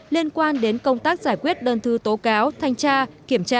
liên quan đến công tác giải quyết đơn thư tố cáo thanh tra kiểm tra